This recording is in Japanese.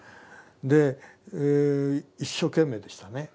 で一生懸命でしたね。